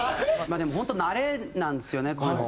でも本当慣れなんですよねこういうの。